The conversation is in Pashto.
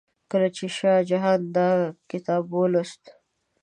کله چې شاه جهان دا کتاب ولوست.